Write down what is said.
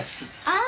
あ！